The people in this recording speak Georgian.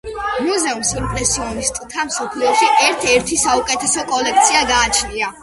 მუზეუმს იმპრესიონისტთა მსოფლიოში ერთ-ერთი საუკეთესო კოლექცია გააჩნია.